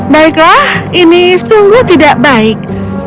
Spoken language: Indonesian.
baiklah ini sungguh tidak baik